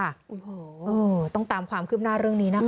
โอ้โหต้องตามความคืบหน้าเรื่องนี้นะคะ